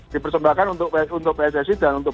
dipersembahkan untuk pssi dan untuk